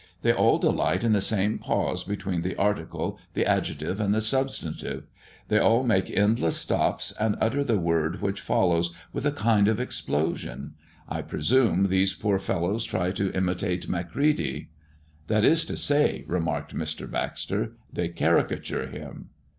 They all delight in the same pause between the article, the adjective, and the substantive; they all make endless stops, and utter the word which follows with a kind of explosion. I presume these poor fellows try to imitate Macready." "That is to say," remarked Mr. Baxter, "they caricature him."